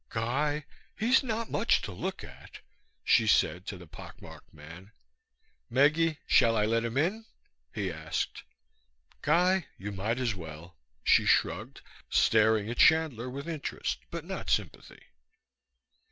"Guy, he's not much to look at," she said to the pockmarked man. "Meggie, shall I let him in?" he asked. "Guy, you might as well," she shrugged, staring at Chandler with interest but not sympathy.